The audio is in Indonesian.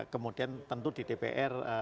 kemudian tentu di dpr